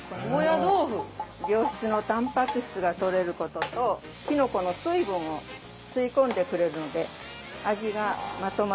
良質のたんぱく質がとれることときのこの水分を吸い込んでくれるので味がまとまります。